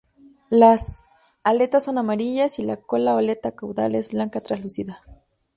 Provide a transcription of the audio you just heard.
Las aletas son amarillas, y la cola, o aleta caudal, es blanca translúcida.